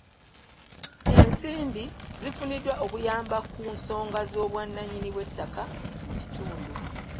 Ensimbi zifuniddwa okuyamba ku nsonga z'obwannanyini bw'ettaka mu kitundu.